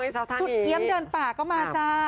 สุดเอี๊ยมเดินป่าก็มาจ้า